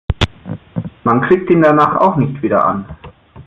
Man kriegt ihn danach auch nicht wieder an.